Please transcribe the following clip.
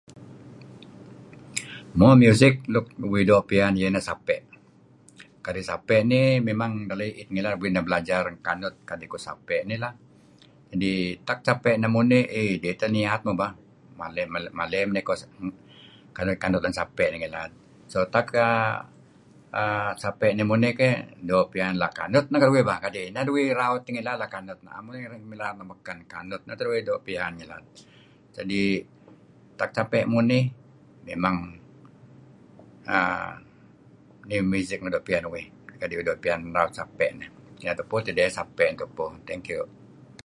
Mo music nuk uih doo' pian Sape'. Kadi' Sape' nih mimang uih neh belajar knut kdi uh mileh raut Sape' nuh lah. Tak Sape' nah munih mawang niat muh lah maley-maley man iko kanut ngen Sape' nah ngilad. Tak Sape' nih munih keh doo' pian kanut nah keduih bah kadi' inah duih raut iih ngilad. Am aian raut nuk baken kanut ayu' tah kadi' keduih doo' pin. Jadi' tak sape' munih mimang nih music nuk pian uih kadi uih raut Sape; nih. Neh tupu teh Sape' tupu. Thank you.